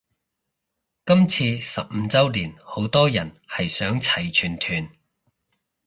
今次十五周年好多人係想齊全團